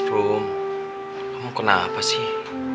rom kamu kenapa sih